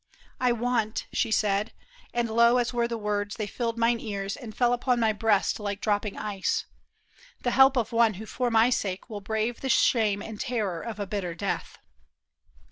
" I want," she said— And low as were the words they filled mine ears And fell upon my breast like dropping ice, '' The help of one who for my sake will brave The shame and terror of a bitter death."